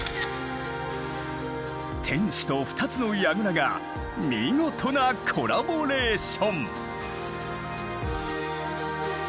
天守と２つの櫓が見事なコラボレーション！